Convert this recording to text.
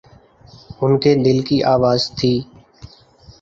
ان کے دل کی آواز تھی۔